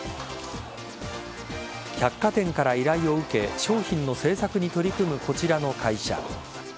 百貨店から依頼を受け商品の制作に取り組むこちらの会社。